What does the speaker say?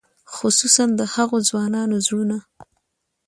خصوصاً د هغو ځوانانو زړونه.